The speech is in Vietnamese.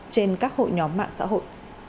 trên các hội nhóm mạng xã hội